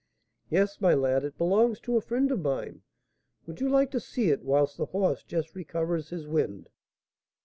"Yes, my lad; it belongs to a friend of mine. Would you like to see it whilst the horse just recovers his wind?"